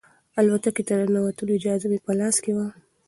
الوتکې ته د ننوتلو اجازه مې په لاس کې وه.